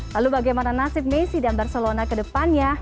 lalu bagaimana nasib messi dan barcelona ke depannya